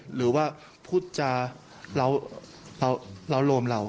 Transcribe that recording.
หรือว่าพูดจาเราโรมเรา